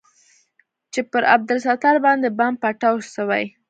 چې پر عبدالستار باندې بم پټاو سوى.